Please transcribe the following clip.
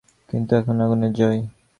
কিন্তু এখন আগুনের জয়।